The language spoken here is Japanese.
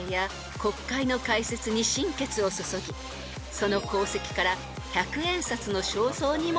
［その功績から］